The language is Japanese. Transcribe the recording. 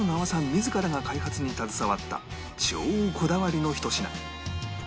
自らが開発に携わった超こだわりの一品